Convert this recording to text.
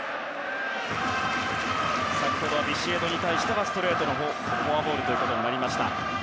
先ほどビシエドに対してはストレートのフォアボール。